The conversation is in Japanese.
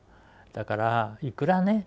だからいくらね